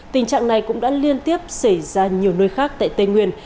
tình trạng này cũng đã liên tiếp xảy ra nhiều nơi khác tại tây nguyên